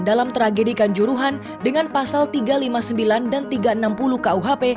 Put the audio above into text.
dalam tragedi kanjuruhan dengan pasal tiga ratus lima puluh sembilan dan tiga ratus enam puluh kuhp